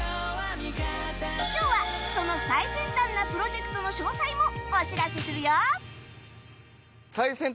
今日はその最先端なプロジェクトの詳細もお知らせするよ！